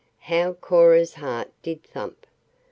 How Cora's heart did thump!